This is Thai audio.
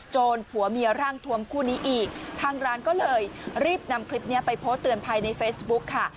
ผัวเมียร่างทวมคู่นี้อีกทางร้านก็เลยรีบนำคลิปนี้ไปโพสต์เตือนภัยในเฟซบุ๊คค่ะ